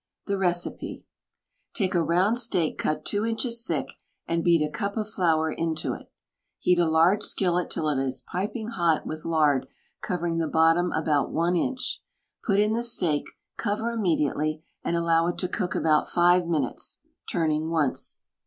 The Recipe Take a round steak cut two inches thick; and beat a cup of flour into it. Heat a large skillet till it is piping hot with lard covering the bottom about one inch. Put in the steak, cover immediately, and allow it to cook about five minutes, turning once.